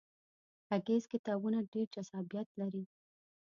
غږیز کتابونه ډیر جذابیت لري.